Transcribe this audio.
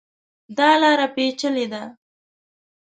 دا لاره پېچلې ده.